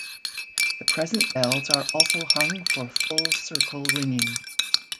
The present bells are also hung for full circle ringing.